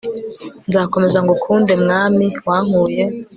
nzakomeza ngukunde, mwami wankuye